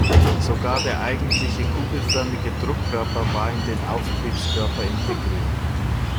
Sogar der eigentliche kugelförmige Druckkörper war in den Auftriebskörper integriert.